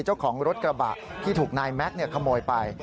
เจ้าของรถกระบะที่ถูกนายแม็กซ์ขโมยไป